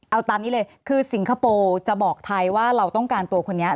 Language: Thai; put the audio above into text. เอาตามนี้เลยคือสิงคโปร์จะบอกไทยว่าเราต้องการตัวคนนี้